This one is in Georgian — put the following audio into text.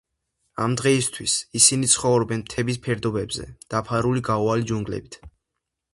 ამ დღეისთვის, ისინი ცხოვრობენ მთების ფერდობებზე, დაფარული გაუვალი ჯუნგლებით.